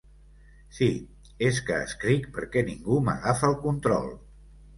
Sí, és que escric perquè ningú m'agafa el control.